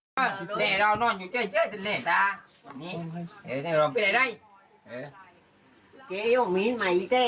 พิษตาก็ปื้นนะไงอุ๊ยมี